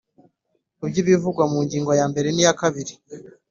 Ku bw ibivugwa mu ngingo ya mbere n iya kabiri